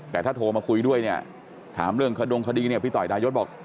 แต่ถ้าโทรมาคุยด้วยเนี่ยถามเรื่องขดงคดีเนี่ยพี่ต่อยดายศบอก